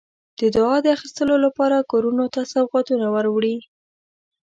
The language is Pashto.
د دعا د اخیستلو لپاره کورونو ته سوغاتونه وروړي.